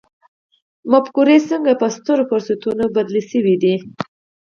مفکورې څنګه په سترو فرصتونو بدلې شوې دي.